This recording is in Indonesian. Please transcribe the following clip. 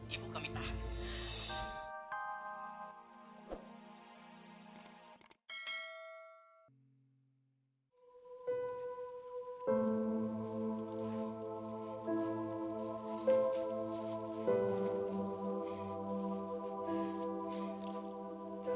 ibu kami tahan